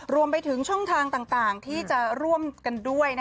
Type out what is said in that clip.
รวมไปถึงช่องทางต่างที่จะร่วมกันด้วย